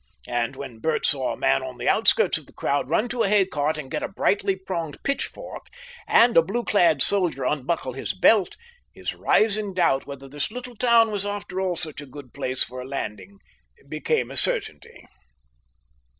And when Bert saw a man on the outskirts of the crowd run to a haycart and get a brightly pronged pitch fork, and a blue clad soldier unbuckle his belt, his rising doubt whether this little town was after all such a good place for a landing became a certainty.